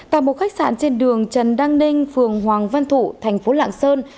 tại một khách sạn trên đường trần đăng ninh phường hoàng văn thụ thành phố lạng sơn